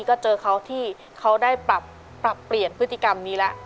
ก็เจอเขาที่เขาได้ปรับเปลี่ยนพฤติกรรมนี้แล้ว